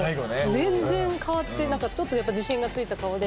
全然変わってちょっとやっぱ自信がついた顔で。